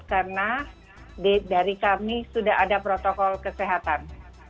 karena dari kami sudah ada protokol kesehatan